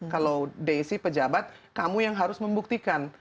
kalau desi pejabat kamu yang harus membuktikan